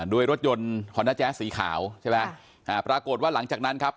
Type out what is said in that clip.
โดยรถยนต์ฮอนด้าแจ๊สสีขาวใช่ไหมอ่าปรากฏว่าหลังจากนั้นครับ